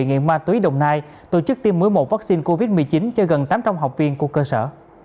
nghiện ma túy đồng nai tổ chức tiêm một mươi một vaccine covid một mươi chín cho gần tám trăm linh học viên của cơ sở